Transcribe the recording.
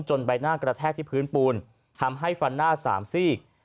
ใบหน้ากระแทกที่พื้นปูนทำให้ฟันหน้าสามซีก